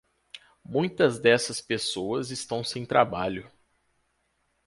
Muitas dessas pessoas estão sem trabalho.